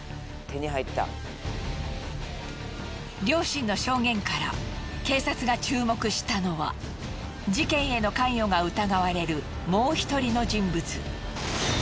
両親の証言から警察が注目したのは事件への関与が疑われるもう一人の人物。